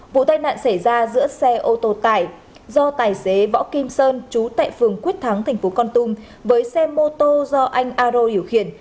vụ tai nạn xảy ra giữa xe ô tô tải do tài xế võ kim sơn trú tại phường quyết thắng tỉnh phú con tung với xe mô tô do anh aro hiểu khiển